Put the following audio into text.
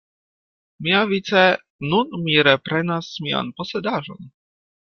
Miavice nun mi reprenas mian posedaĵon.